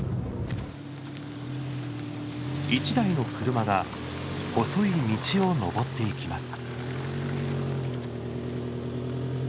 １台の車が細い道を登っていきます。